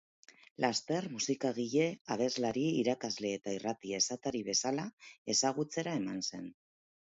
Laster musikagile, abeslari, irakasle eta irrati-esatari bezala ezagutzera eman zen.